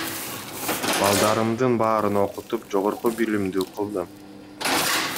Балдарымдын баарын окутуп жогорку билимдүү кылдым.